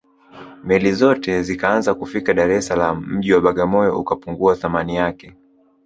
meli zote zikaanza kufikia dar es salaam mji wa bagamoyo ukapungua thamani yake